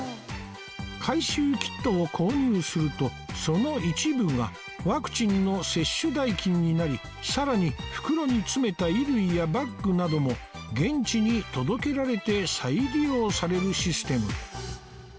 回収キットを購入するとその一部がワクチンの接種代金になりさらに袋に詰めた衣類やバッグなども現地に届けられて再利用されるシステム